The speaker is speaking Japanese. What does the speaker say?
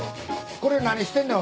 これ何してんのや？